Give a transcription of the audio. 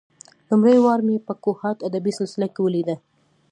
لومړۍ وار مې په کوهاټ ادبي سلسله کې ولېده.